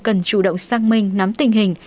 cần chủ động xác minh nắm tình hình